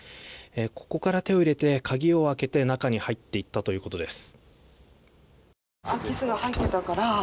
ここから手を入れて鍵を開けて中に入っていったということです。